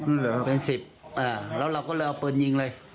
แปปเป็นสิบอะแล้วเราก็เลยเอาเปลืองยิงเลย